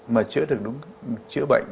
mà chữa được đúng chữa bệnh